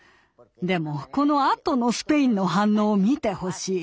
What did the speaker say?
でもこのあとのスペインの反応を見てほしい。